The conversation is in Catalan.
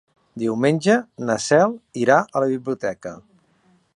Diumenge na Cel irà a la biblioteca.